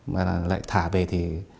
mà lại thả về thì